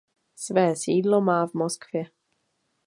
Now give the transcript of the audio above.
Své sídlo má v Moskvě.